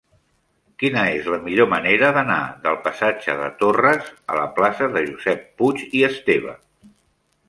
Quina és la millor manera d'anar del passatge de Torres a la plaça de Josep Puig i Esteve?